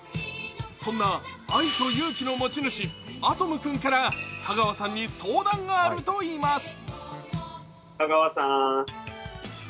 そんな愛と勇気の持ち主、敦望君から香川さんに相談があるといいます。